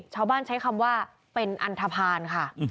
ชาวบ้านใช้คำว่าเป็นอันทภาณค่ะ